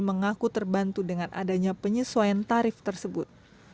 mengaku terbantu dengan adanya penyesuaian tarif tersebut